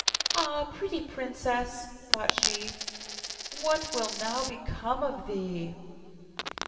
'Ah! pretty princess!' thought she, 'what will now become of thee?